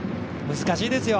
難しいですよ